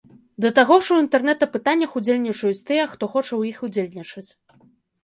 Да таго ж у інтэрнэт-апытаннях удзельнічаюць тыя, хто хоча ў іх удзельнічаць.